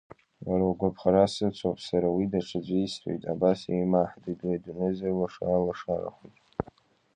Уара угәаԥхара сыцуп, сара уи даҽаӡәы исҭоит, абас еимаҳдоит уи адунеи зырлашо алашара хәыҷ.